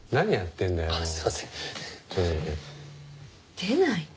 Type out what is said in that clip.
出ないね。